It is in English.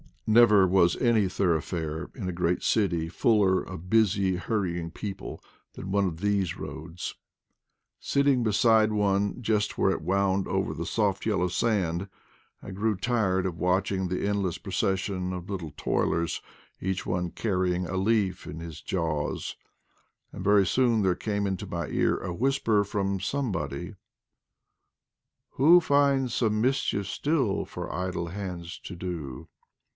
Never was any thoroughfare in a great city fuller of busy hurrying people than one of these roads. Sitting beside one, just where it wound over the soft yellow sand, I grew tired of watching the endless procession of little toilers, each one carry ing a leaf in his jaws; and very soon there came into my ear a whisper from somebody— Who finds some mischief stifl For idle hands to do.